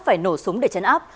phải nổ súng để chấn áp